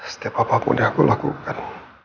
setiap apapun yang aku lakukan